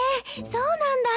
そうなんだ。